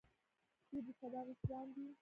دوی د سبا مشران دي